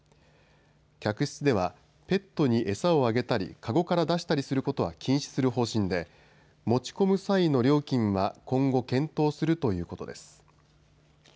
客室では、ペットに餌をあげたり籠から出したりすることは禁止する方針で持ち込む際の料金は今後、検討するということです。